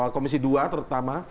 komisi dua terutama